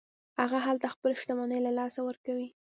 هغه هلته خپله شتمني له لاسه ورکوي.